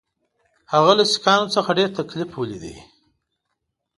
هغه له سیکهانو څخه ډېر تکلیف ولید.